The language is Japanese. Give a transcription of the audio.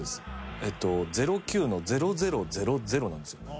えっと０９の００００なんですよね。